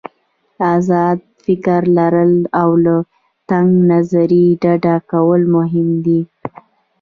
آزاد فکر لرل او له تنګ نظري ډډه کول مهم دي.